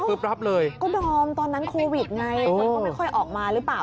ก็นอมตอนนั้นโควิดไหมไม่ค่อยออกมาหรือเปล่า